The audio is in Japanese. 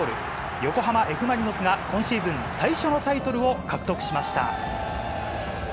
横浜Ｆ・マリノスが今シーズン最初のタイトルを獲得しました。